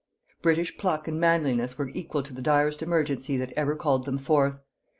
British pluck and manliness were equal to the direst emergency that ever called them forth.